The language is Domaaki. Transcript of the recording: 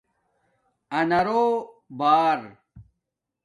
آنارݸ بݳر